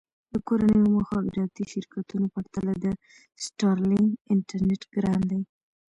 د کورنیو مخابراتي شرکتونو پرتله د سټارلېنک انټرنېټ ګران دی.